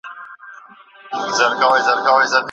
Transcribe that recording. حساب ورکوونه څنګه ترسره کېږي؟